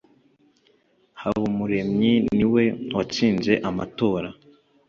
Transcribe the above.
habumuremyi niwe watsinze amatora.